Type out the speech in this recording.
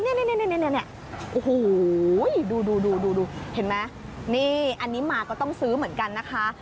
นี่โอ้โหดูเห็นไหมนี่อันนี้มาก็ต้องซื้อเหมือนกันนะคะ